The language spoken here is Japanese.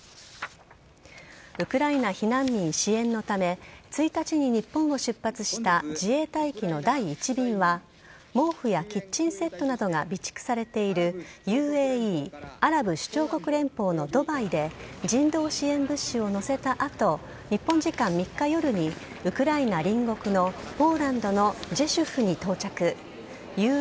ウクライナ避難民支援のため１日に日本を出発した自衛隊機の第１便は毛布やキッチンセットなどが備蓄されているＵＡＥ＝アラブ首長国連邦のドバイで人道支援物資を載せた後日本時間３日夜にウクライナ隣国のポーランドのジェシュフに到着。